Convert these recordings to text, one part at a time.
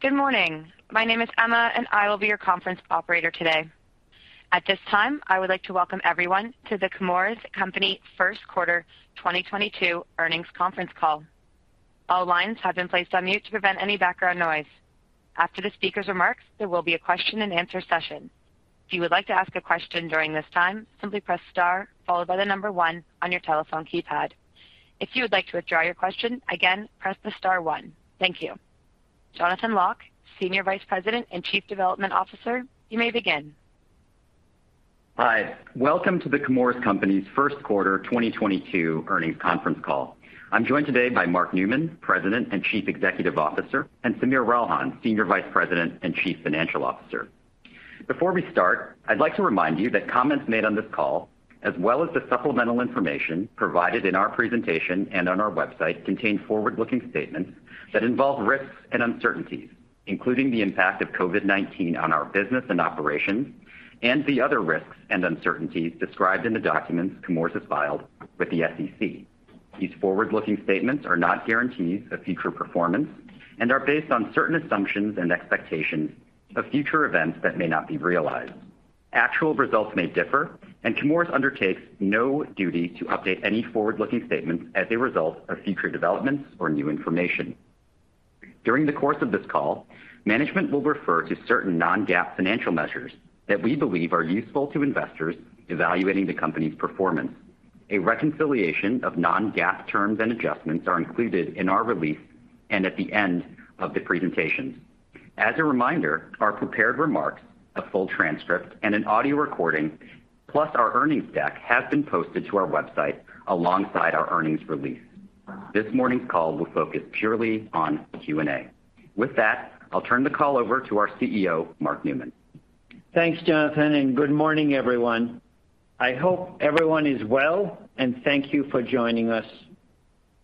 Good morning. My name is Emma, and I will be your conference operator today. At this time, I would like to welcome everyone to The Chemours Company First Quarter 2022 Earnings Conference Call. All lines have been placed on mute to prevent any background noise. After the speaker's remarks, there will be a question-and-answer session. If you would like to ask a question during this time, simply press star followed by the number one on your telephone keypad. If you would like to withdraw your question, again, press the star one. Thank you. Jonathan Lock, Senior Vice President and Chief Development Officer, you may begin. Hi. Welcome to The Chemours Company's first quarter 2022 earnings conference call. I'm joined today by Mark Newman, President and Chief Executive Officer, and Sameer Ralhan, Senior Vice President and Chief Financial Officer. Before we start, I'd like to remind you that comments made on this call, as well as the supplemental information provided in our presentation and on our website, contain forward-looking statements that involve risks and uncertainties, including the impact of COVID-19 on our business and operations, and the other risks and uncertainties described in the documents Chemours has filed with the SEC. These forward-looking statements are not guarantees of future performance and are based on certain assumptions and expectations of future events that may not be realized. Actual results may differ, and Chemours undertakes no duty to update any forward-looking statements as a result of future developments or new information. During the course of this call, management will refer to certain non-GAAP financial measures that we believe are useful to investors evaluating the company's performance. A reconciliation of non-GAAP terms and adjustments are included in our release and at the end of the presentation. As a reminder, our prepared remarks, a full transcript, and an audio recording, plus our earnings deck, have been posted to our website alongside our earnings release. This morning's call will focus purely on Q&A. With that, I'll turn the call over to our CEO, Mark Newman. Thanks, Jonathan, and good morning, everyone. I hope everyone is well, and thank you for joining us.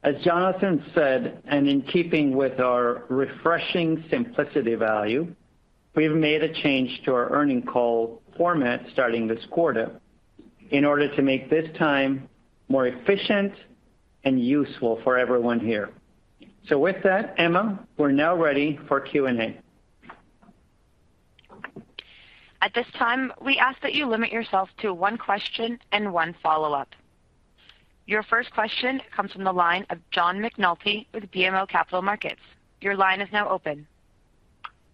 As Jonathan said, and in keeping with our refreshing simplicity value, we've made a change to our earnings call format starting this quarter in order to make this time more efficient and useful for everyone here. With that, Emma, we're now ready for Q&A. At this time, we ask that you limit yourself to one question and one follow-up. Your first question comes from the line of John McNulty with BMO Capital Markets. Your line is now open.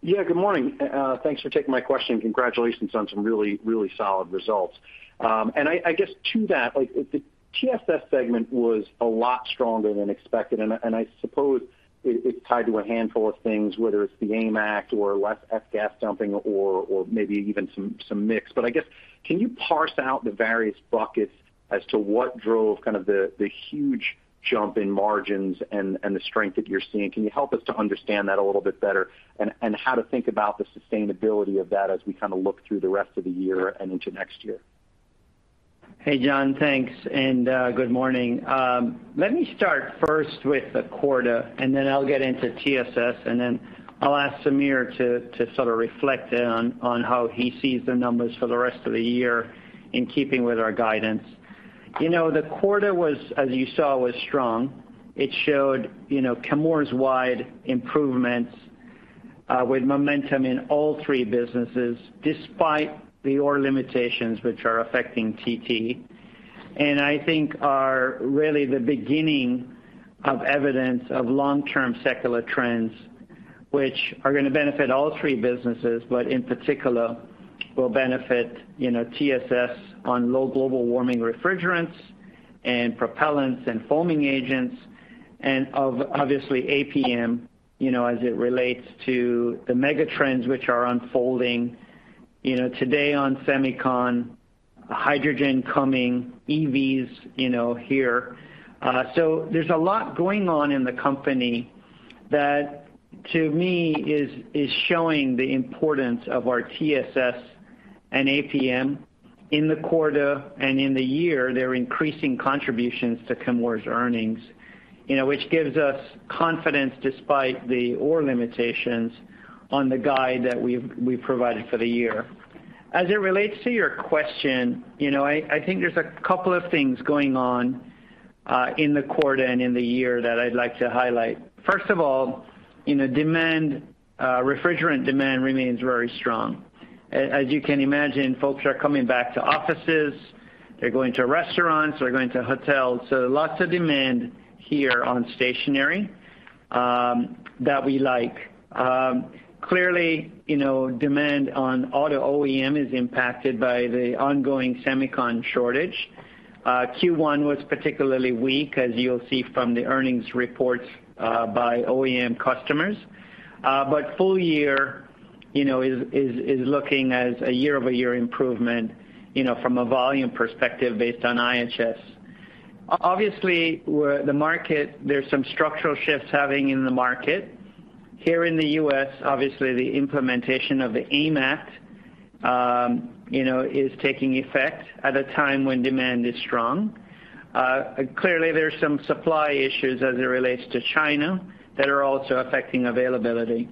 Yeah, good morning. Thanks for taking my question. Congratulations on some really, really solid results. I guess to that, like the TSS segment was a lot stronger than expected, and I suppose it's tied to a handful of things, whether it's the AIM Act or less SF6 gas dumping or maybe even some mix. I guess, can you parse out the various buckets as to what drove kind of the huge jump in margins and the strength that you're seeing? Can you help us to understand that a little bit better and how to think about the sustainability of that as we kind of look through the rest of the year and into next year? Hey, John. Thanks, and good morning. Let me start first with the quarter, and then I'll get into TSS, and then I'll ask Sameer to sort of reflect on how he sees the numbers for the rest of the year in keeping with our guidance. You know, the quarter was, as you saw, strong. It showed, you know, Chemours-wide improvements with momentum in all three businesses despite the ore limitations which are affecting TT, and I think are really the beginning of evidence of long-term secular trends which are gonna benefit all three businesses, but in particular will benefit, you know, TSS on low global warming refrigerants and propellants and foaming agents and, obviously, APM, you know, as it relates to the mega trends which are unfolding, you know, today on semicon, hydrogen coming, EVs, you know, here. There's a lot going on in the company that to me is showing the importance of our TSS and APM in the quarter and in the year there increasing contributions to Chemours earnings, you know, which gives us confidence despite the our limitations on the guide that we've provided for the year. As it relates to your question, you know, I think there's a couple of things going on in the quarter and in the year that I'd like to highlight. First of all, you know, refrigerant demand remains very strong. As you can imagine, folks are coming back to offices, they're going to restaurants, they're going to hotels, so lots of demand here on stationary that we like. Clearly, you know, demand on auto OEM is impacted by the ongoing semicon shortage. Q1 was particularly weak, as you'll see from the earnings reports by OEM customers. Full year, you know, is looking as a year-over-year improvement, you know, from a volume perspective based on IHS. Obviously, the market there's some structural shifts happening in the market. Here in the U.S., obviously the implementation of the AIM Act, you know, is taking effect at a time when demand is strong. Clearly there's some supply issues as it relates to China that are also affecting availability.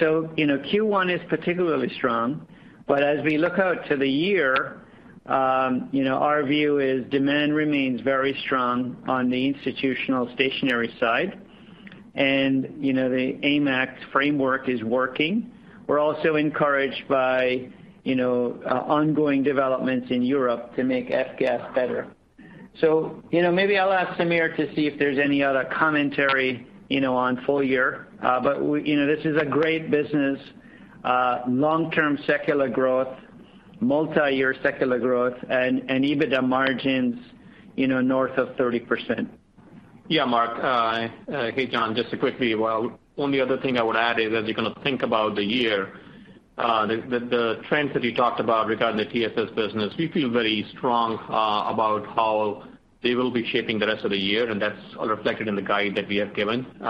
Q1 is particularly strong. As we look out to the year, you know, our view is demand remains very strong on the institutional stationary side. The AIM Act framework is working. We're also encouraged by, you know, ongoing developments in Europe to make F-gas better. You know, maybe I'll ask Sameer to see if there's any other commentary, you know, on full year. You know, this is a great business, long-term secular growth, multiyear secular growth and EBITDA margins, you know, north of 30%. Yeah, Mark. Hey, John, just quickly. Well, only other thing I would add is, as you kind of think about the year, the trends that you talked about regarding the TSS business, we feel very strong about how they will be shaping the rest of the year, and that's reflected in the guide that we have given. You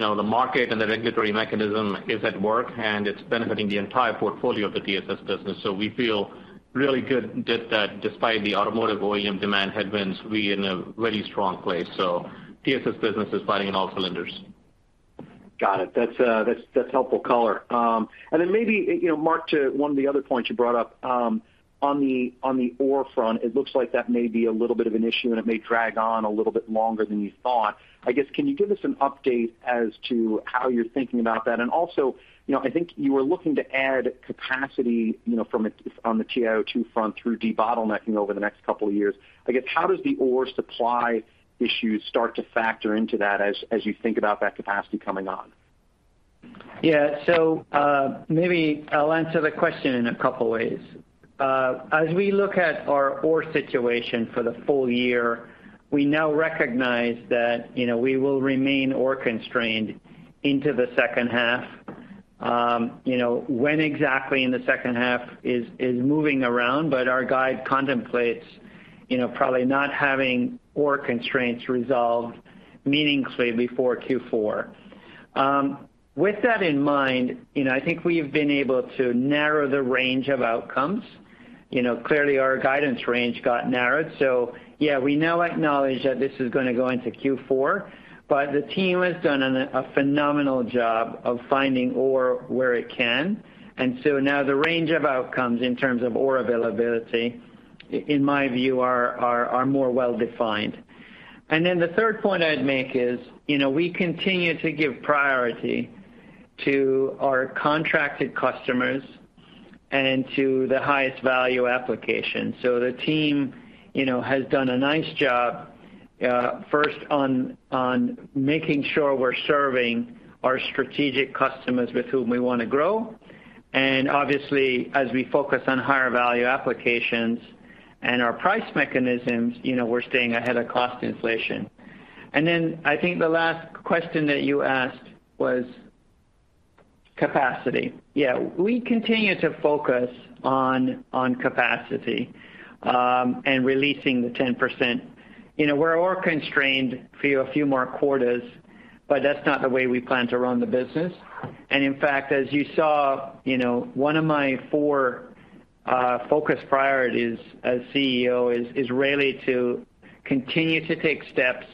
know, the market and the regulatory mechanism is at work, and it's benefiting the entire portfolio of the TSS business. We feel really good that despite the automotive volume demand headwinds, we in a very strong place. TSS business is firing on all cylinders. Got it. That's helpful color. Then maybe, you know, Mark, to one of the other points you brought up, on the ore front, it looks like that may be a little bit of an issue, and it may drag on a little bit longer than you thought. I guess, can you give us an update as to how you're thinking about that? Also, you know, I think you were looking to add capacity, you know, on the TiO₂ front through debottlenecking over the next couple of years. I guess, how does the ore supply issues start to factor into that as you think about that capacity coming on? Yeah. Maybe I'll answer the question in a couple ways. As we look at our ore situation for the full year, we now recognize that, you know, we will remain ore constrained into the second half. You know, when exactly in the second half is moving around, but our guidance contemplates, you know, probably not having ore constraints resolved meaningfully before Q4. With that in mind, you know, I think we've been able to narrow the range of outcomes. You know, clearly our guidance range got narrowed. Yeah, we now acknowledge that this is gonna go into Q4, but the team has done a phenomenal job of finding ore where it can. Now the range of outcomes in terms of ore availability, in my view, are more well-defined. The third point I'd make is, you know, we continue to give priority to our contracted customers and to the highest value application. The team, you know, has done a nice job, first on making sure we're serving our strategic customers with whom we wanna grow. Obviously, as we focus on higher value applications and our price mechanisms, you know, we're staying ahead of cost inflation. I think the last question that you asked was capacity. We continue to focus on capacity and releasing the 10%. You know, we're ore constrained for a few more quarters, but that's not the way we plan to run the business. In fact, as you saw, you know, one of my four focus priorities as CEO is really to continue to take steps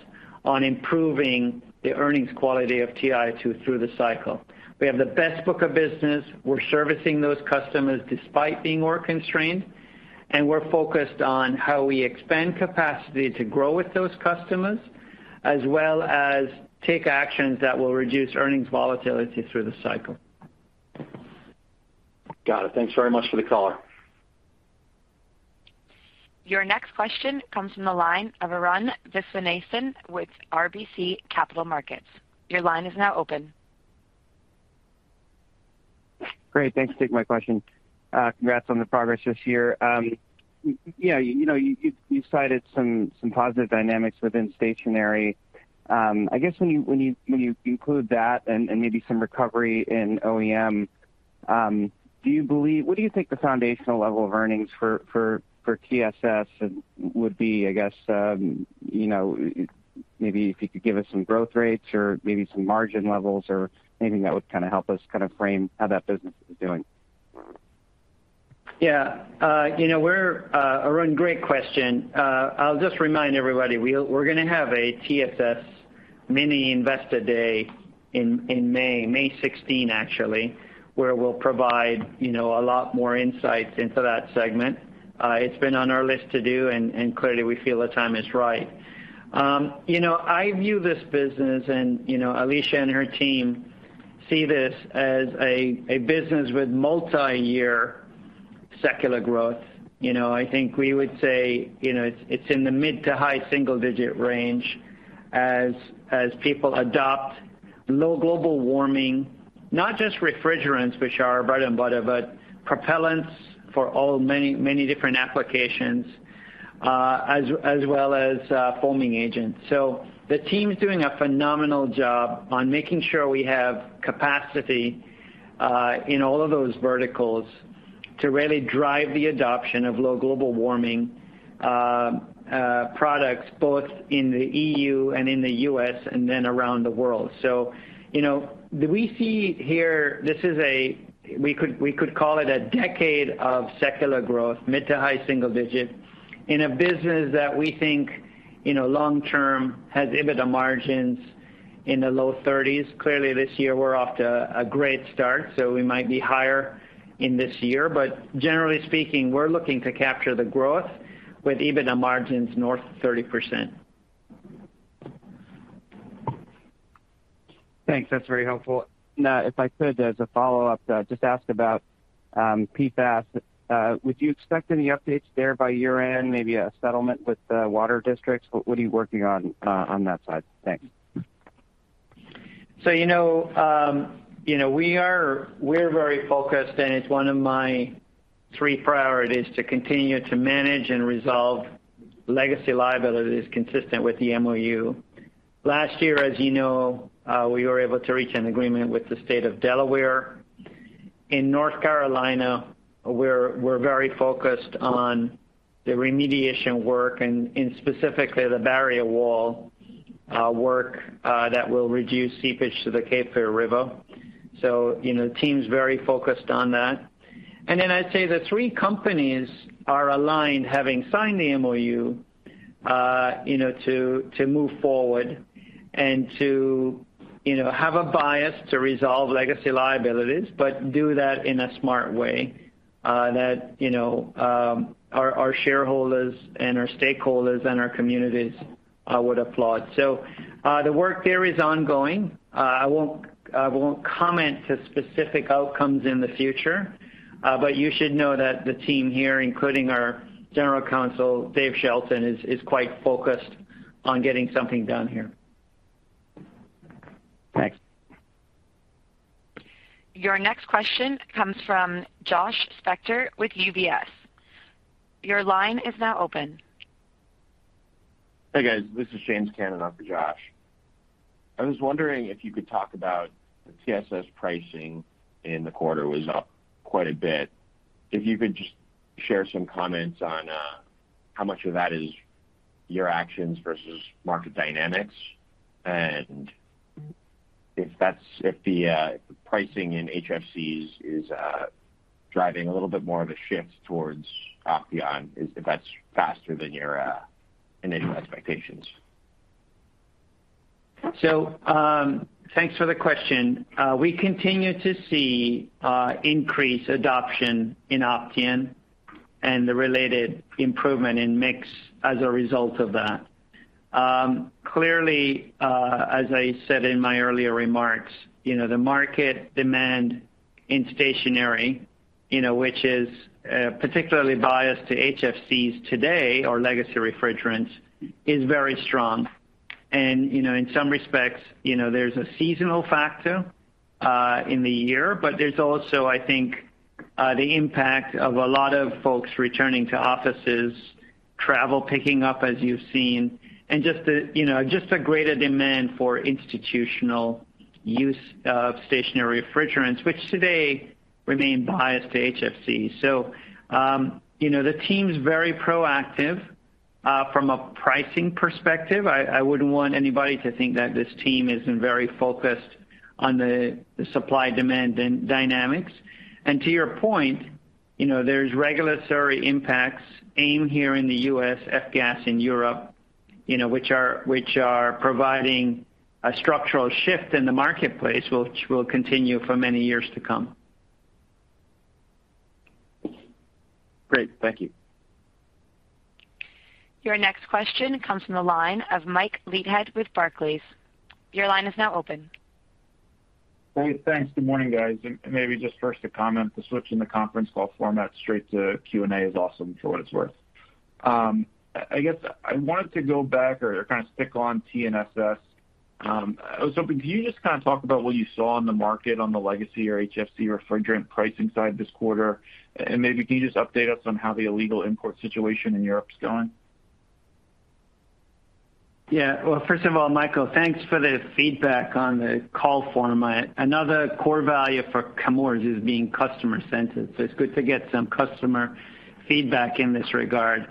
on improving the earnings quality of TiO₂ through the cycle. We have the best book of business. We're servicing those customers despite being ore constrained, and we're focused on how we expand capacity to grow with those customers, as well as take actions that will reduce earnings volatility through the cycle. Got it. Thanks very much for the color. Your next question comes from the line of Arun Viswanathan with RBC Capital Markets. Your line is now open. Great. Thanks. Take my question. Congrats on the progress this year. Yeah, you know, you cited some positive dynamics within stationary. I guess when you include that and maybe some recovery in OEM, what do you think the foundational level of earnings for TSS would be, I guess, you know, maybe if you could give us some growth rates or maybe some margin levels or anything that would kinda help us kind of frame how that business is doing? Yeah. You know, Arun, great question. I'll just remind everybody, we're gonna have a TSS mini investor day in May 16, actually, where we'll provide, you know, a lot more insights into that segment. It's been on our list to do, and clearly, we feel the time is right. You know, I view this business and, you know, Alisha and her team see this as a business with multiyear secular growth. You know, I think we would say, you know, it's in the mid to high single digit range as people adopt low global warming, not just refrigerants, which are bread and butter, but propellants for all many different applications, as well as foaming agents. The team's doing a phenomenal job on making sure we have capacity in all of those verticals to really drive the adoption of low global warming products both in the E.U. and in the U.S. and then around the world. You know, we see here we could call it a decade of secular growth, mid- to high-single-digit, in a business that we think, you know, long term has EBITDA margins in the low 30s. Clearly, this year we're off to a great start, so we might be higher in this year. Generally speaking, we're looking to capture the growth with EBITDA margins north of 30%. Thanks. That's very helpful. Now, if I could, as a follow-up, just ask about PFAS. Would you expect any updates there by year-end? Maybe a settlement with the water districts? What are you working on that side? Thanks. You know, we're very focused, and it's one of my three priorities to continue to manage and resolve legacy liabilities consistent with the MOU. Last year, as you know, we were able to reach an agreement with the state of Delaware. In North Carolina, we're very focused on the remediation work and specifically the barrier wall work that will reduce seepage to the Cape Fear River. You know, the team's very focused on that. I'd say the three companies are aligned, having signed the MOU, you know, to move forward and to have a bias to resolve legacy liabilities, but do that in a smart way that you know our shareholders and our stakeholders and our communities would applaud. The work there is ongoing. I won't comment on specific outcomes in the future, but you should know that the team here, including our General Counsel, David Shelton, is quite focused on getting something done here. Thanks. Your next question comes from Josh Spector with UBS. Your line is now open. Hey, guys, this is James Cannon after Josh. I was wondering if you could talk about the TSS pricing in the quarter was up quite a bit. If you could just share some comments on how much of that is your actions versus market dynamics, and if the pricing in HFCs is driving a little bit more of a shift towards Opteon, if that's faster than your initial expectations. Thanks for the question. We continue to see increased adoption in Opteon and the related improvement in mix as a result of that. Clearly, as I said in my earlier remarks, you know, the market demand in stationary, you know, which is particularly biased to HFCs today or legacy refrigerants, is very strong. You know, in some respects, you know, there's a seasonal factor in the year, but there's also, I think, the impact of a lot of folks returning to offices, travel picking up as you've seen, and just the, you know, just a greater demand for institutional use of stationary refrigerants, which today remain biased to HFCs. You know, the team's very proactive from a pricing perspective. I wouldn't want anybody to think that this team isn't very focused on the supply-demand dynamics. To your point, you know, there's regulatory impacts, AIM here in the U.S., F-gas in Europe, you know, which are providing a structural shift in the marketplace, which will continue for many years to come. Great. Thank you. Your next question comes from the line of Michael Leithead with Barclays. Your line is now open. Hey, thanks. Good morning, guys. Maybe just first a comment. The switch in the conference call format straight to Q&A is awesome for what it's worth. I guess I wanted to go back or kind of stick on TSS. I was hoping, can you just kind of talk about what you saw in the market on the legacy or HFC refrigerant pricing side this quarter? And maybe can you just update us on how the illegal import situation in Europe is going? Yeah. Well, first of all, Michael, thanks for the feedback on the call format. Another core value for Chemours is being customer-centered, so it's good to get some customer feedback in this regard.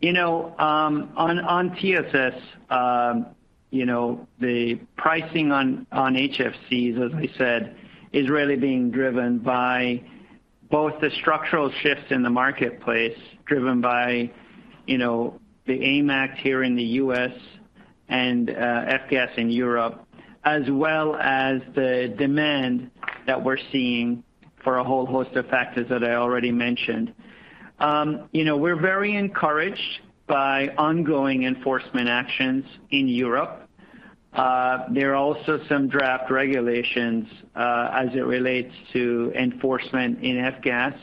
You know, on TSS, you know, the pricing on HFCs, as I said, is really being driven by both the structural shifts in the marketplace driven by, you know, the AIM Act here in the U.S. and F-gas in Europe, as well as the demand that we're seeing for a whole host of factors that I already mentioned. You know, we're very encouraged by ongoing enforcement actions in Europe. There are also some draft regulations, as it relates to enforcement in F-gas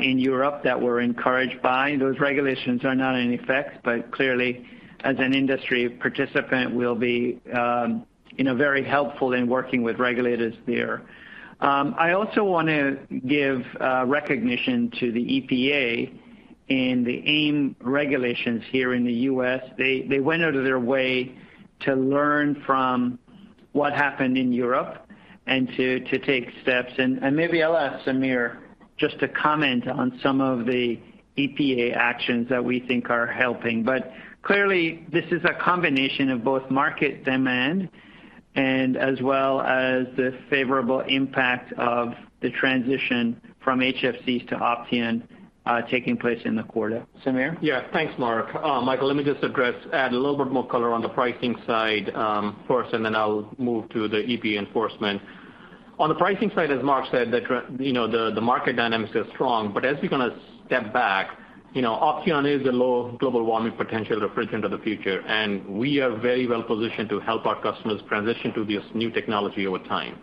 in Europe that we're encouraged by. Those regulations are not in effect, but clearly, as an industry participant, we'll be, you know, very helpful in working with regulators there. I also wanna give recognition to the EPA in the AIM regulations here in the U.S. They went out of their way to learn from what happened in Europe and to take steps. Maybe I'll ask Sameer just to comment on some of the EPA actions that we think are helping. Clearly, this is a combination of both market demand and as well as the favorable impact of the transition from HFCs to Opteon taking place in the quarter. Sameer? Yeah. Thanks, Mark. Michael, let me just address, add a little bit more color on the pricing side, first, and then I'll move to the EPA enforcement. On the pricing side, as Mark said, the market dynamics are strong, but as we kind of step back, you know, Opteon is a low global warming potential refrigerant of the future, and we are very well positioned to help our customers transition to this new technology over time.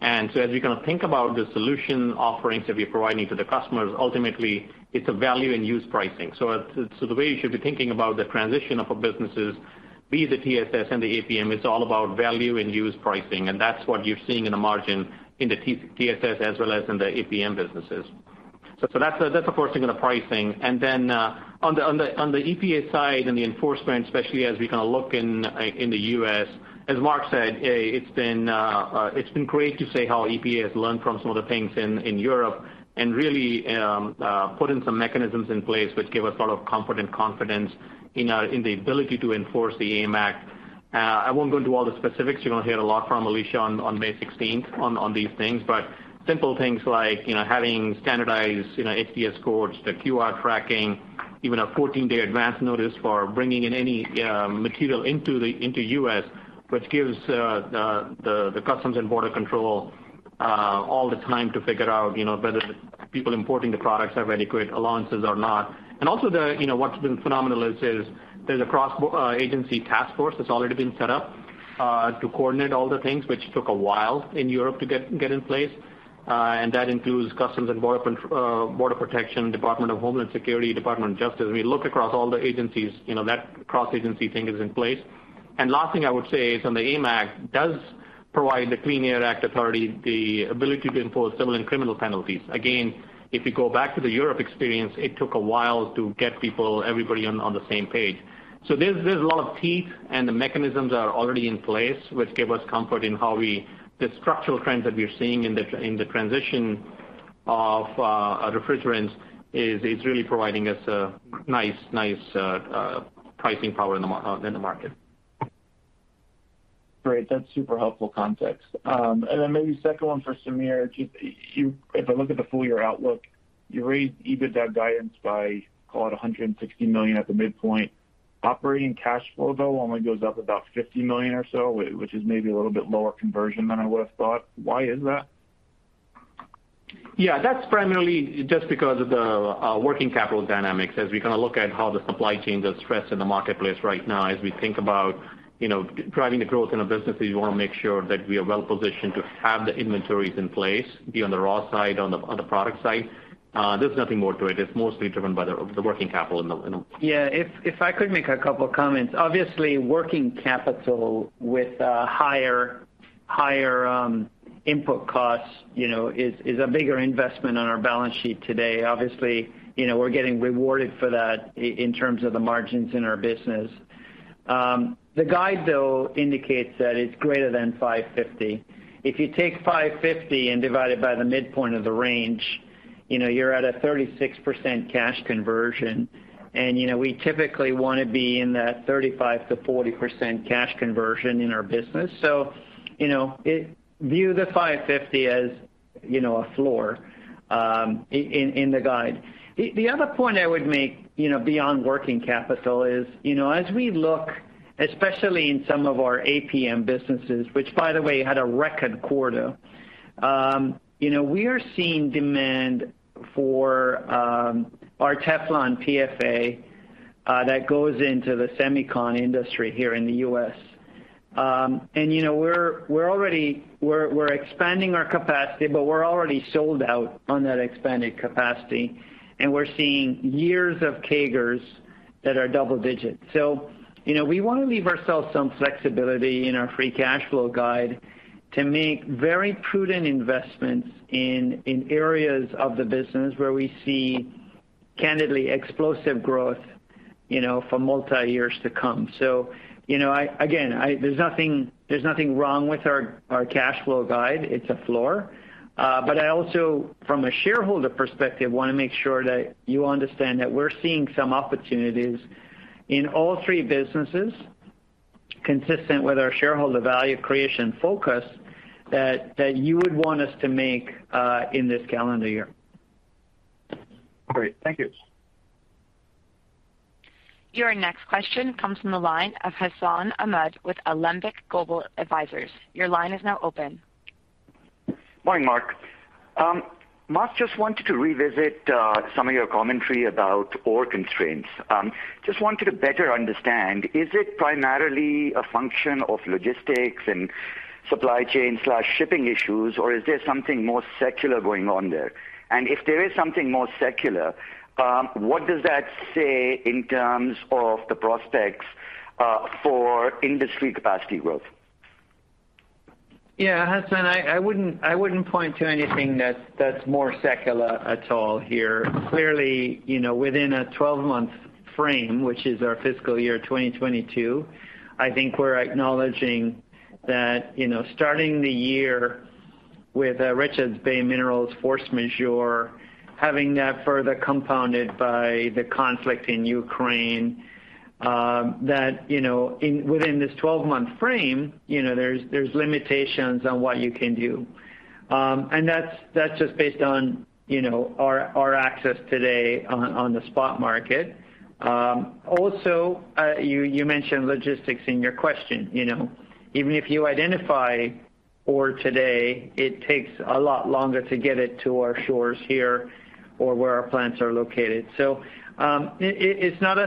As we kind of think about the solution offerings that we're providing to the customers, ultimately it's a value in use pricing. The way you should be thinking about the transition of a business is the TSS and the APM. It's all about value in use pricing, and that's what you're seeing in the margin in the TT, TSS as well as in the APM businesses. That's of course in the pricing. On the EPA side and the enforcement, especially as we kind of look in the U.S., as Mark said, it's been great to see how EPA has learned from some of the things in Europe and really put in some mechanisms in place which give us a lot of comfort and confidence in the ability to enforce the AIM Act. I won't go into all the specifics. You're gonna hear a lot from Alisha on May sixteenth on these things, but simple things like, you know, having standardized, you know, HTS codes, the QR tracking, even a 14-day advance notice for bringing in any material into the U.S., which gives the U.S. Customs and Border Protection all the time to figure out, you know, whether the people importing the products have any great allowances or not. You know, what's been phenomenal is there's a cross-agency task force that's already been set up to coordinate all the things which took a while in Europe to get in place, and that includes U.S. Customs and Border Protection, Department of Homeland Security, Department of Justice. We look across all the agencies, you know, that cross-agency thing is in place. Last thing I would say is on the AIM Act does provide the Clean Air Act authority, the ability to impose civil and criminal penalties. Again, if you go back to the European experience, it took a while to get people, everybody on the same page. There's a lot of teeth, and the mechanisms are already in place, which give us comfort. The structural trends that we are seeing in the transition of a refrigerant is really providing us a nice pricing power in the market. Great. That's super helpful context. Maybe second one for Sameer. Just if I look at the full year outlook, you raised EBITDA guidance by, call it, $160 million at the midpoint. Operating cash flow though only goes up about $50 million or so, which is maybe a little bit lower conversion than I would've thought. Why is that? Yeah, that's primarily just because of the working capital dynamics. As we kind of look at how the supply chain is stressed in the marketplace right now, as we think about, you know, driving the growth in our businesses, we wanna make sure that we are well-positioned to have the inventories in place, be it on the raw side, on the product side. There's nothing more to it. It's mostly driven by the working capital in the. Yeah. If I could make a couple comments. Obviously, working capital with higher input costs, you know, is a bigger investment on our balance sheet today. Obviously, you know, we're getting rewarded for that in terms of the margins in our business. The guide though indicates that it's greater than $550. If you take $550 and divide it by the midpoint of the range, you know, you're at a 36% cash conversion. You know, we typically wanna be in that 35%-40% cash conversion in our business. You know, it. View the $550 as, you know, a floor in the guide. The other point I would make, you know, beyond working capital is, you know, as we look, especially in some of our APM businesses, which by the way had a record quarter, you know, we are seeing demand for our Teflon PFA that goes into the semicon industry here in the U.S. And, you know, we're already expanding our capacity, but we're already sold out on that expanded capacity, and we're seeing years of CAGRs that are double digit. You know, we wanna leave ourselves some flexibility in our free cash flow guide to make very prudent investments in areas of the business where we see candidly explosive growth, you know, for multi-years to come. You know, again, there's nothing wrong with our cash flow guide. It's a floor. I also, from a shareholder perspective, wanna make sure that you understand that we're seeing some opportunities in all three businesses consistent with our shareholder value creation focus that you would want us to make, in this calendar year. Great. Thank you. Your next question comes from the line of Hassan Ahmed with Alembic Global Advisors. Your line is now open. Morning, Mark. Just wanted to revisit some of your commentary about ore constraints. Just wanted to better understand, is it primarily a function of logistics and supply chain/shipping issues, or is there something more secular going on there? If there is something more secular, what does that say in terms of the prospects for industry capacity growth? Yeah, Hassan, I wouldn't point to anything that's more secular at all here. Clearly, you know, within a twelve-month frame, which is our fiscal year 2022, I think we're acknowledging that, you know, starting the year with Richards Bay Minerals force majeure, having that further compounded by the conflict in Ukraine, you know, within this twelve-month frame, you know, there's limitations on what you can do. And that's just based on, you know, our access today on the spot market. Also, you mentioned logistics in your question, you know. Even if you identify ore today, it takes a lot longer to get it to our shores here or where our plants are located. It's not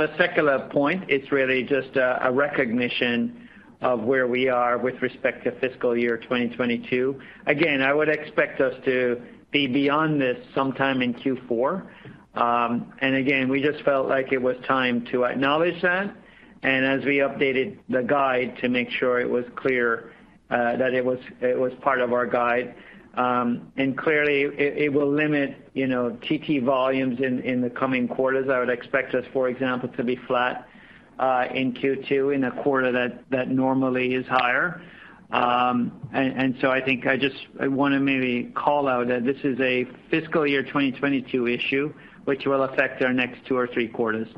a secular point. It's really just a recognition of where we are with respect to fiscal year 2022. Again, I would expect us to be beyond this sometime in Q4. Again, we just felt like it was time to acknowledge that, and as we updated the guide to make sure it was clear that it was part of our guide. Clearly it will limit, you know, TT volumes in the coming quarters. I would expect us, for example, to be flat in Q2 in a quarter that normally is higher. I think I wanna maybe call out that this is a fiscal year 2022 issue, which will affect our next two or three quarters.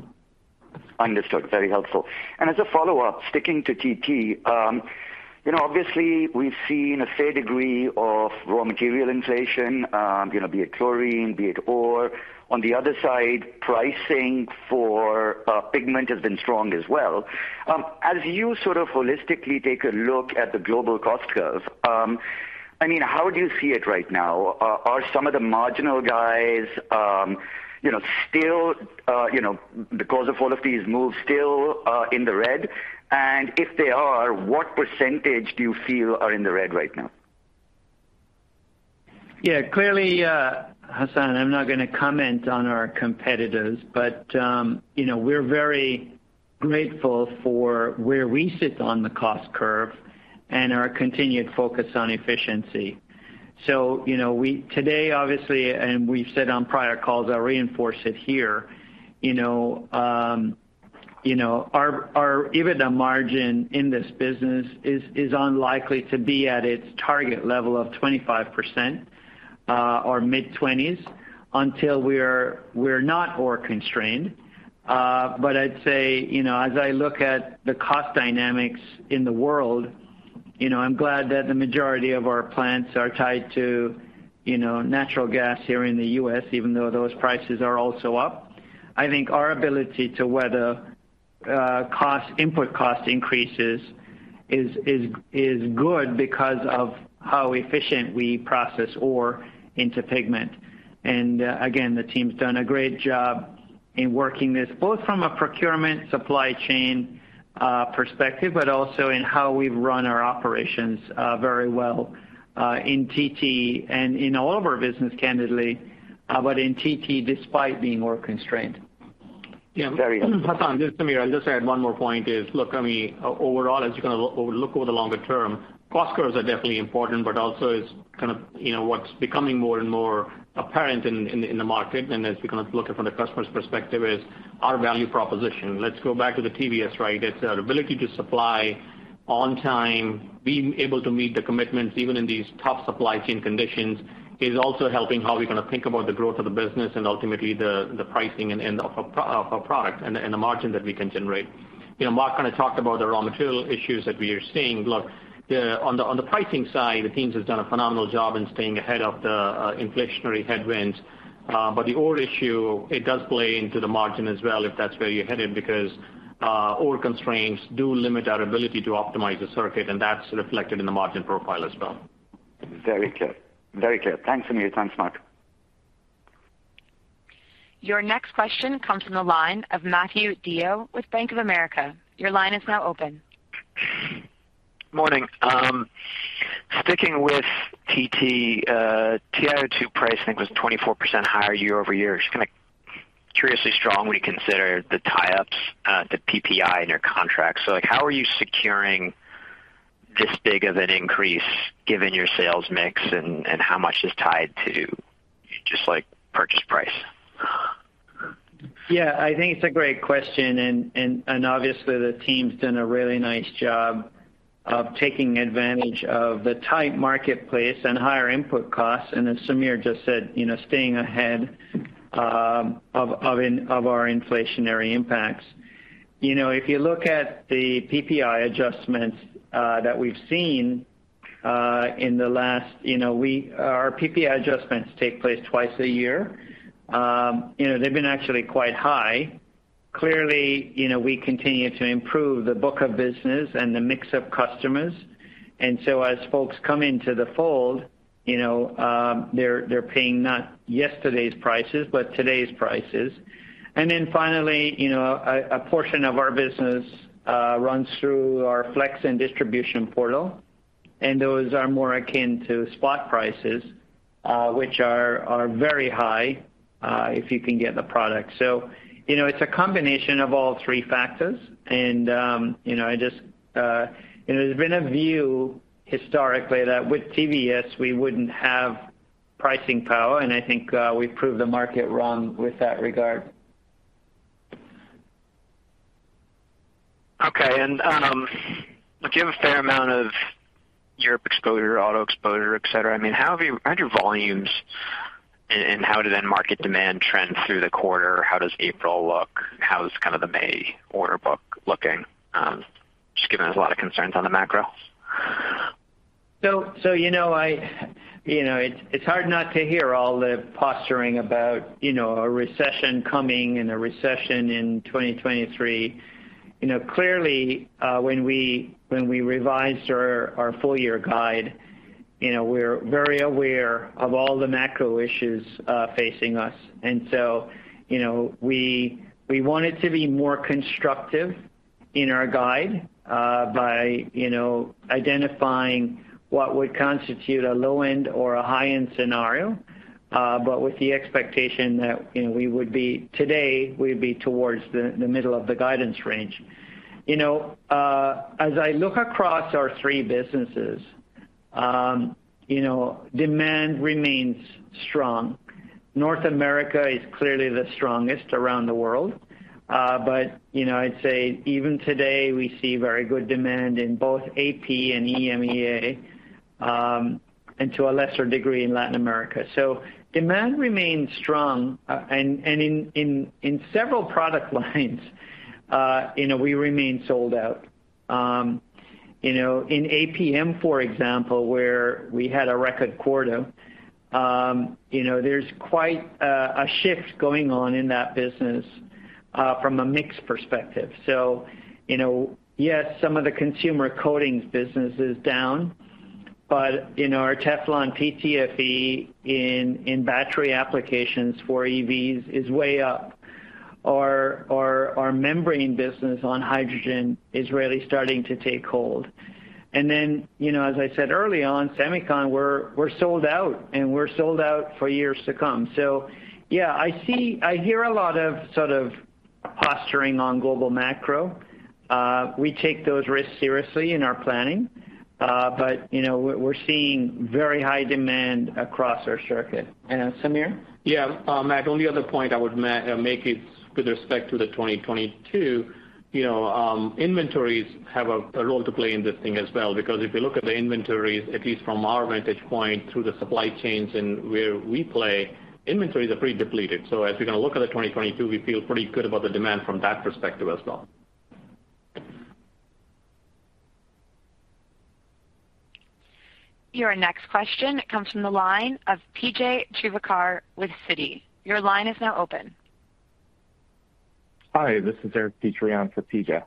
Understood. Very helpful. As a follow-up, sticking to TT, you know, obviously we've seen a fair degree of raw material inflation, you know, be it chlorine, be it ore. On the other side, pricing for pigment has been strong as well. As you sort of holistically take a look at the global cost curve, I mean, how do you see it right now? Are some of the marginal guys, you know, still, you know, because of all of these moves still in the red? If they are, what percentage do you feel are in the red right now? Yeah, clearly, Hassan, I'm not gonna comment on our competitors, but you know, we're very grateful for where we sit on the cost curve and our continued focus on efficiency. Today, obviously, and we've said on prior calls, I'll reinforce it here, you know, our even the margin in this business is unlikely to be at its target level of 25% or mid-20s until we're not ore constrained. But I'd say, you know, as I look at the cost dynamics in the world, you know, I'm glad that the majority of our plants are tied to natural gas here in the U.S., even though those prices are also up. I think our ability to weather input cost increases is good because of how efficient we process ore into pigment. Again, the team's done a great job in working this, both from a procurement supply chain perspective, but also in how we've run our operations very well in TT and in all of our business candidly, but in TT despite being ore constrained. Yeah. Hassan, this is Sameer. I'll just add one more point is, look, I mean, overall, as you kind of look over the longer term, cost curves are definitely important, but also it's kind of, you know, what's becoming more and more apparent in the market, and as we kind of look at it from the customer's perspective is our value proposition. Let's go back to the TT, right? It's our ability to supply on time, being able to meet the commitments, even in these tough supply chain conditions is also helping how we kind of think about the growth of the business and ultimately the pricing and of a product and the margin that we can generate. You know, Mark kind of talked about the raw material issues that we are seeing. Look, on the pricing side, the teams have done a phenomenal job in staying ahead of the inflationary headwinds. The ore issue does play into the margin as well, if that's where you're headed, because ore constraints do limit our ability to optimize the circuit, and that's reflected in the margin profile as well. Very clear. Thanks, Sameer. Thanks, Mark. Your next question comes from the line of Matthew DeYoe with Bank of America. Your line is now open. Morning. Sticking with TT, TiO₂ price, I think, was 24% higher year-over-year. Just kind of curiously strong when you consider the tie-ups, the PPI in your contract. Like how are you securing this big of an increase given your sales mix and how much is tied to just like purchase price? Yeah, I think it's a great question and obviously the team's done a really nice job of taking advantage of the tight marketplace and higher input costs. As Sameer just said, you know, staying ahead of our inflationary impacts. You know, if you look at the PPI adjustments that we've seen in the last, you know, our PPI adjustments take place twice a year. You know, they've been actually quite high. Clearly, you know, we continue to improve the book of business and the mix of customers. As folks come into the fold, you know, they're paying not yesterday's prices, but today's prices. Then finally, you know, a portion of our business runs through our flex and distribution portal, and those are more akin to spot prices, which are very high, if you can get the product. You know, it's a combination of all three factors. There's been a view historically that with TT, we wouldn't have pricing power, and I think we've proved the market wrong in that regard. Okay. Look, you have a fair amount of Europe exposure, auto exposure, et cetera. I mean, how did volumes and how did then market demand trend through the quarter? How does April look? How's kind of the May order book looking? Just given there's a lot of concerns on the macro. You know, it's hard not to hear all the posturing about, you know, a recession coming and a recession in 2023. You know, clearly, when we revised our full year guide, you know, we're very aware of all the macro issues facing us. You know, we wanted to be more constructive in our guide by, you know, identifying what would constitute a low end or a high end scenario. But with the expectation that, you know, we would be today, we'd be towards the middle of the guidance range. You know, as I look across our three businesses, you know, demand remains strong. North America is clearly the strongest around the world. you know, I'd say even today we see very good demand in both AP and EMEA, and to a lesser degree in Latin America. Demand remains strong. in several product lines, you know, we remain sold out. you know, in APM, for example, where we had a record quarter, you know, there's quite a shift going on in that business, from a mix perspective. you know, yes, some of the consumer coatings business is down, but, you know, our Teflon PTFE in battery applications for EVs is way up. Our membrane business on hydrogen is really starting to take hold. then, you know, as I said early on, semicon, we're sold out, and we're sold out for years to come. Yeah, I hear a lot of sort of posturing on global macro. We take those risks seriously in our planning. You know, we're seeing very high demand across our circuit. Sameer? Matt, only other point I would make is with respect to 2022, you know, inventories have a role to play in this thing as well. Because if you look at the inventories, at least from our vantage point through the supply chains and where we play, inventories are pretty depleted. As we kind of look at 2022, we feel pretty good about the demand from that perspective as well. Your next question comes from the line of P.J. Juvekar with Citi. Your line is now open. Hi, this is Eric Petrone for PJ.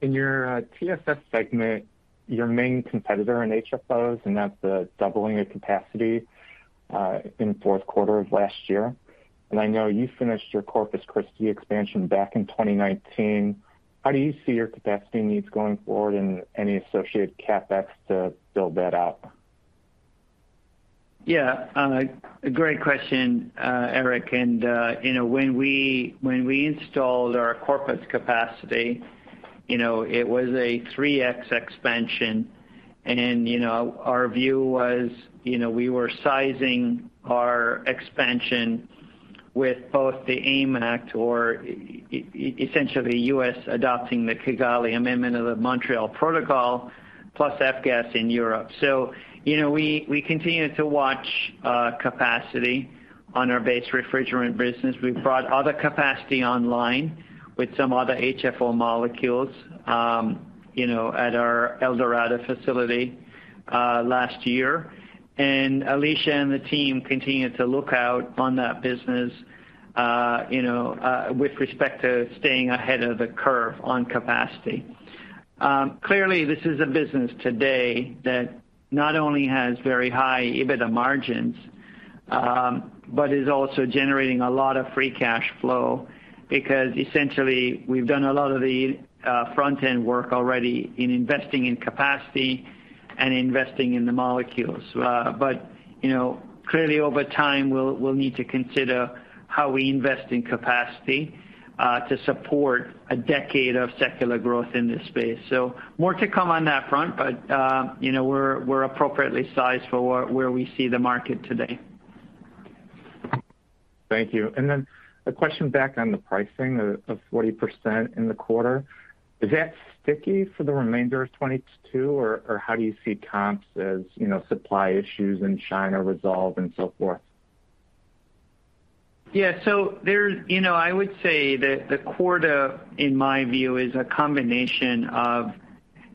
In your TSS segment, your main competitor in HFOs announced the doubling of capacity in fourth quarter of last year. I know you finished your Corpus Christi expansion back in 2019. How do you see your capacity needs going forward and any associated CapEx to build that out? Yeah. A great question, Eric. You know, when we installed our Corpus capacity, you know, it was a 3x expansion and, you know, our view was, you know, we were sizing our expansion with both the AIM Act or essentially U.S. adopting the Kigali Amendment of the Montreal Protocol plus F-gas in Europe. You know, we continue to watch capacity on our base refrigerant business. We've brought other capacity online with some other HFO molecules, you know, at our El Dorado facility last year. Alisha and the team continue to look out on that business, you know, with respect to staying ahead of the curve on capacity. Clearly this is a business today that not only has very high EBITDA margins, but is also generating a lot of free cash flow because essentially we've done a lot of the front end work already in investing in capacity and investing in the molecules. You know, clearly over time we'll need to consider how we invest in capacity to support a decade of secular growth in this space. More to come on that front. You know, we're appropriately sized for where we see the market today. Thank you. A question back on the pricing of 40% in the quarter. Is that sticky for the remainder of 2022 or how do you see comps as, you know, supply issues in China resolve and so forth? Yeah. There's you know, I would say that the quarter, in my view, is a combination of,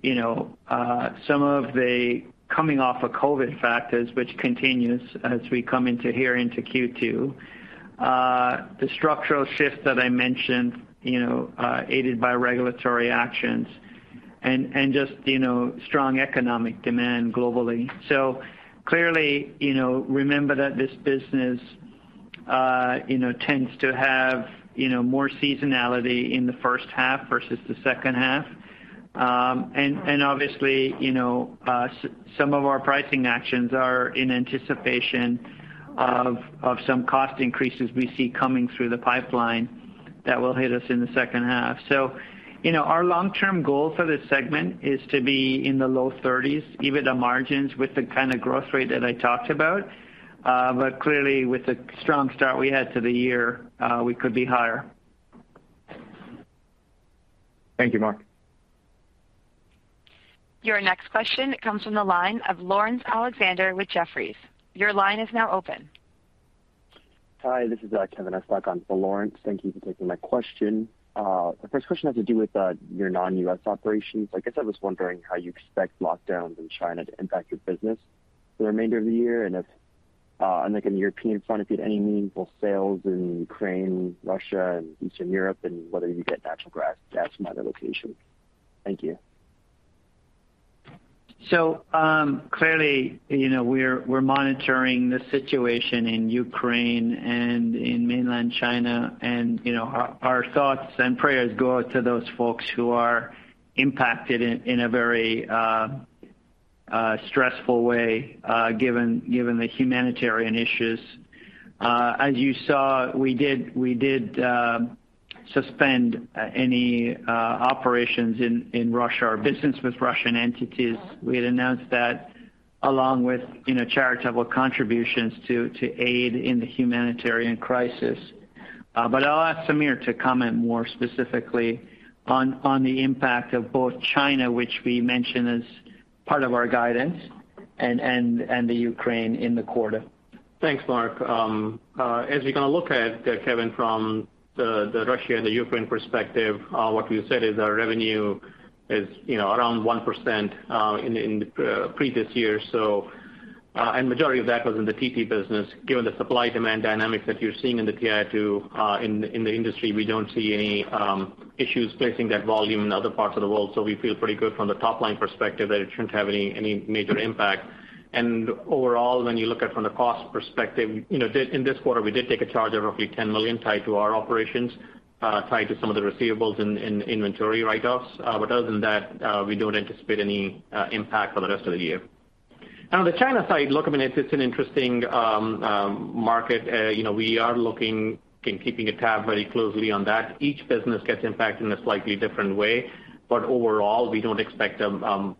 you know, some of the coming off of COVID factors which continues as we come into here into Q2. The structural shift that I mentioned, you know, aided by regulatory actions and just, you know, strong economic demand globally. Clearly, you know, remember that this business, you know, tends to have, you know, more seasonality in the first half versus the second half. And obviously, you know, some of our pricing actions are in anticipation of some cost increases we see coming through the pipeline that will hit us in the second half. You know, our long term goal for this segment is to be in the low 30s EBITDA margins with the kind of growth rate that I talked about. Clearly with the strong start we had to the year, we could be higher. Thank you, Mark. Your next question comes from the line of Laurence Alexander with Jefferies. Your line is now open. Hi, this is Kevin Estok on for Laurence. Thank you for taking my question. The first question has to do with your non-US operations. I guess I was wondering how you expect lockdowns in China to impact your business for the remainder of the year. If, and like in the European front, if you had any meaningful sales in Ukraine, Russia and Eastern Europe, and whether you get natural gas from other locations. Thank you. Clearly, you know, we're monitoring the situation in Ukraine and in mainland China. You know, our thoughts and prayers go out to those folks who are impacted in a very stressful way, given the humanitarian issues. As you saw, we did suspend any operations in Russia or business with Russian entities. We had announced that along with, you know, charitable contributions to aid in the humanitarian crisis. I'll ask Sameer to comment more specifically on the impact of both China, which we mentioned as part of our guidance and the Ukraine in the quarter. Thanks, Mark. As we kind of look at Kevin, from the Russia and the Ukraine perspective, what we've said is our revenue is, you know, around 1% in previous year. Majority of that was in the TT business. Given the supply demand dynamics that you're seeing in the TiO₂ in the industry, we don't see any issues facing that volume in other parts of the world. We feel pretty good from the top line perspective that it shouldn't have any major impact. Overall, when you look at from the cost perspective, you know, in this quarter, we did take a charge of roughly $10 million tied to our operations, tied to some of the receivables and inventory write-offs. Other than that, we don't anticipate any impact for the rest of the year. Now on the China side, look, I mean, it's an interesting market. You know, we are looking and keeping tabs very closely on that. Each business gets impacted in a slightly different way. Overall, we don't expect a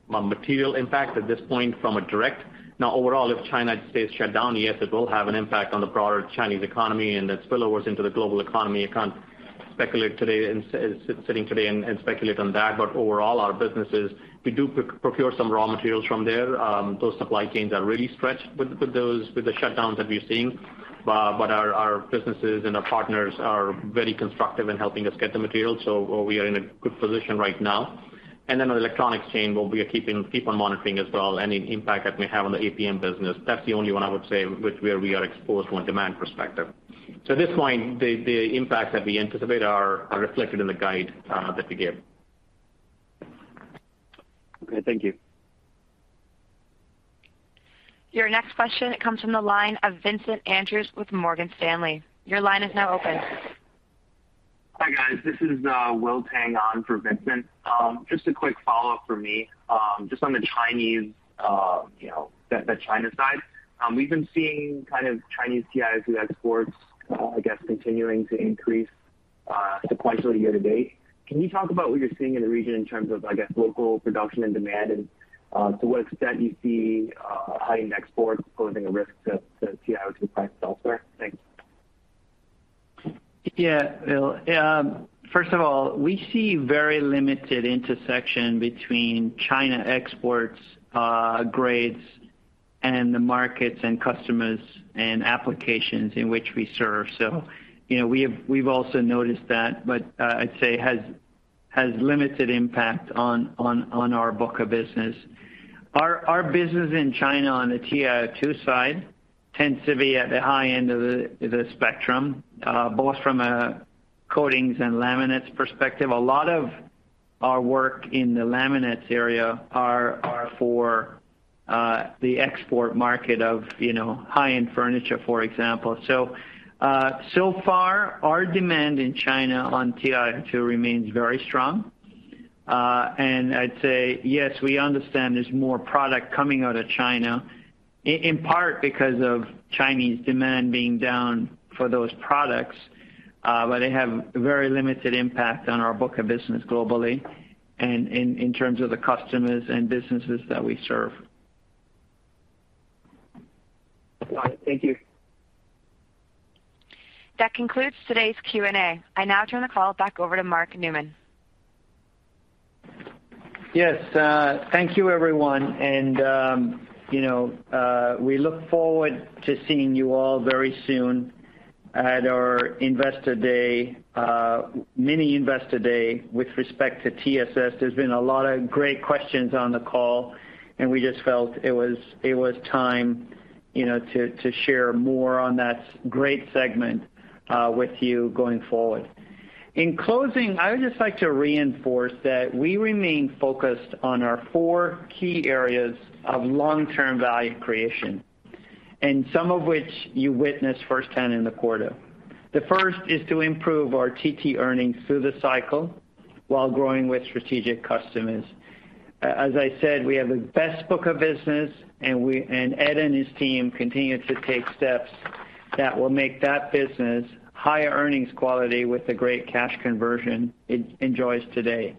material impact at this point from a direct. Now overall, if China stays shut down, yes, it will have an impact on the broader Chinese economy and the spillovers into the global economy. I can't speculate today and speculate on that. Overall, our businesses, we do procure some raw materials from there. Those supply chains are really stretched with those shutdowns that we're seeing. Our businesses and our partners are very constructive in helping us get the material. We are in a good position right now. On the electronics chain, well, we keep on monitoring as well any impact that may have on the APM business. That's the only one I would say where we are exposed from a demand perspective. At this point, the impacts that we anticipate are reflected in the guide that we gave. Okay, thank you. Your next question comes from the line of Vincent Andrews with Morgan Stanley. Your line is now open. Hi, guys. This is Will Tang on for Vincent. Just a quick follow-up from me. Just on the Chinese, you know, the China side. We've been seeing kind of Chinese TiO₂ exports, I guess continuing to increase, sequentially year to date. Can you talk about what you're seeing in the region in terms of, I guess, local production and demand? To what extent you see heightened exports posing a risk to TiO₂ prices elsewhere? Thanks. Yeah. Will, first of all, we see very limited intersection between China exports, grades and the markets and customers and applications in which we serve. You know, we've also noticed that, but I'd say has limited impact on our book of business. Our business in China on the TiO₂ side tends to be at the high end of the spectrum, both from a coatings and laminates perspective. A lot of our work in the laminates area are for the export market of high-end furniture, for example. So far, our demand in China on TiO₂ remains very strong. I'd say, yes, we understand there's more product coming out of China in part because of Chinese demand being down for those products. They have very limited impact on our book of business globally and in terms of the customers and businesses that we serve. Got it. Thank you. That concludes today's Q&A. I now turn the call back over to Mark Newman. Yes, thank you everyone. You know, we look forward to seeing you all very soon at our Investor Day, mini Investor Day with respect to TSS. There's been a lot of great questions on the call, and we just felt it was time, you know, to share more on that great segment with you going forward. In closing, I would just like to reinforce that we remain focused on our four key areas of long-term value creation, and some of which you witnessed firsthand in the quarter. The first is to improve our TT earnings through the cycle while growing with strategic customers. As I said, we have the best book of business, and Ed and his team continue to take steps that will make that business higher earnings quality with the great cash conversion it enjoys today.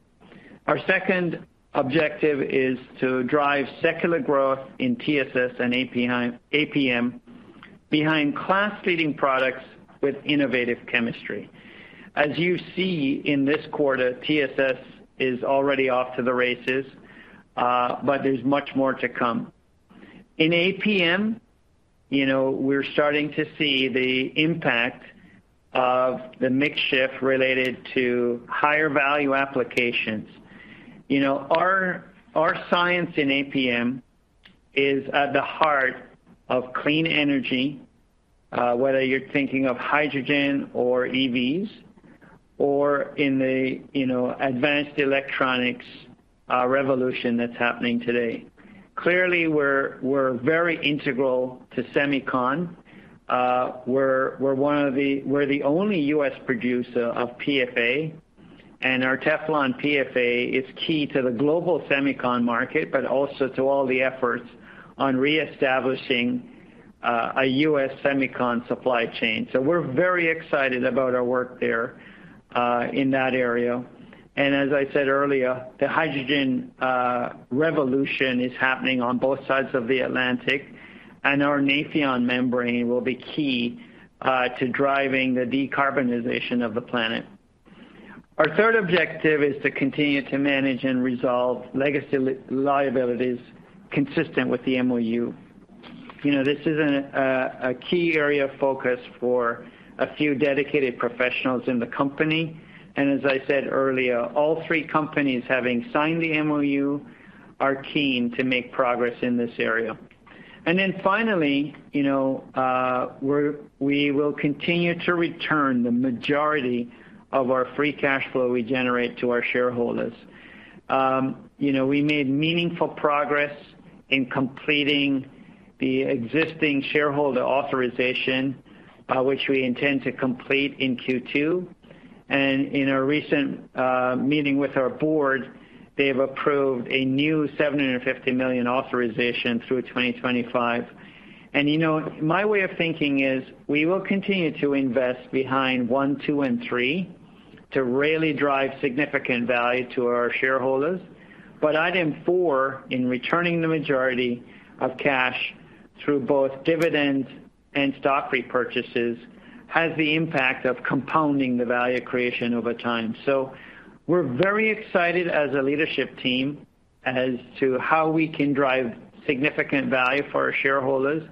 Our second objective is to drive secular growth in TSS and APM behind class-leading products with innovative chemistry. As you see in this quarter, TSS is already off to the races, but there's much more to come. In APM, you know, we're starting to see the impact of the mix shift related to higher value applications. You know, our science in APM is at the heart of clean energy, whether you're thinking of hydrogen or EVs or in a, you know, advanced electronics revolution that's happening today. Clearly, we're very integral to semicon. We're the only U.S. producer of PFA, and our Teflon PFA is key to the global semicon market, but also to all the efforts on reestablishing a U.S. semicon supply chain. So we're very excited about our work there in that area. As I said earlier, the hydrogen revolution is happening on both sides of the Atlantic, and our Nafion membrane will be key to driving the decarbonization of the planet. Our third objective is to continue to manage and resolve legacy liabilities consistent with the MOU. You know, this is a key area of focus for a few dedicated professionals in the company. As I said earlier, all three companies having signed the MOU are keen to make progress in this area. Finally, you know, we will continue to return the majority of our free cash flow we generate to our shareholders. You know, we made meaningful progress in completing the existing shareholder authorization, by which we intend to complete in Q2. In a recent meeting with our board, they've approved a new $750 million authorization through 2025. You know, my way of thinking is, we will continue to invest behind one, two, and three to really drive significant value to our shareholders. Item four, in returning the majority of cash through both dividends and stock repurchases, has the impact of compounding the value creation over time. We're very excited as a leadership team as to how we can drive significant value for our shareholders,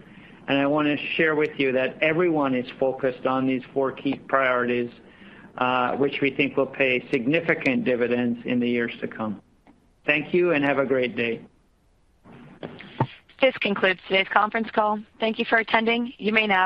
and I wanna share with you that everyone is focused on these four key priorities, which we think will pay significant dividends in the years to come. Thank you, and have a great day. This concludes today's conference call. Thank you for attending. You may now disconnect.